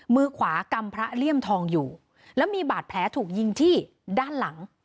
มือขวากำพระเลี่ยมทองอยู่แล้วมีบาดแผลถูกยิงที่ด้านหลัง